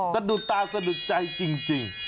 สะดุดตาสะดุดใจจริง